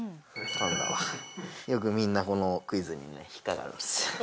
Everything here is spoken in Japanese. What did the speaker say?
パンダはよくみんなこのクイズにね引っ掛かるんですよ